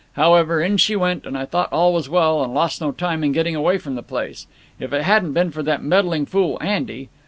However, in she went, and I thought all was well and lost no time in getting away from the place. If it hadn't been for that meddling fool Andy!...